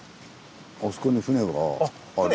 あそこに船がある。